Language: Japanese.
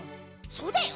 そうだよ。